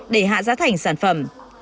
để hạ giá thành sản phẩm